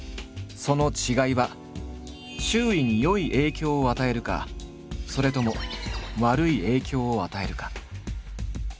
その違いは周囲に良い影響を与えるかそれとも悪い影響を与えるか。